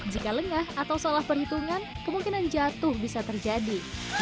jika lengah atau salah perhitungan kemungkinan jatuh bisa terjadi